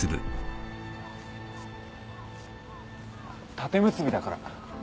縦結びだから。